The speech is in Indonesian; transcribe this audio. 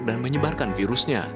dan menyebarkan virusnya